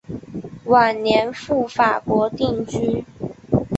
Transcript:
晚年赴法国定居。